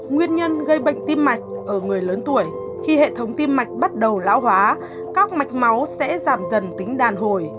nguyên nhân gây bệnh tim mạch ở người lớn tuổi khi hệ thống tim mạch bắt đầu lão hóa các mạch máu sẽ giảm dần tính đàn hồi